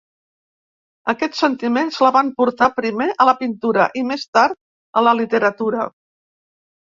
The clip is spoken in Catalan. Aquests sentiments la van portar primer a la pintura i més tard a la literatura.